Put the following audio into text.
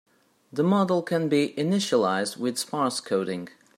The model can be initialized with sparse coding.